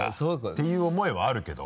ていう思いはあるけど。